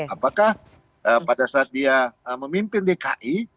apakah pada saat dia memimpin dki